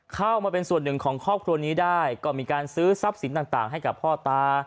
เข้ามาเป็นส่วนหนึ่งของครอบครัวนี้ได้ก็มีการซื้อทรัพย์สินต่างให้กับพ่อตา